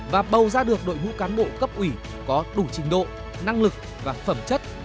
và bầu ra được đội ngũ cán bộ cấp ủy có đủ trình độ năng lực và phẩm chất